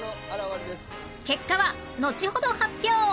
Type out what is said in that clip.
結果はのちほど発表！